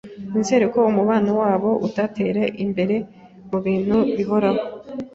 Nizere ko umubano wabo uzatera imbere mubintu bihoraho.